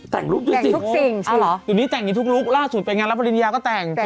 แต่งรูปด้วยสิกลูกในทุกลุ๊กล่าสุดไปงานรับอริญญาก็แต่ง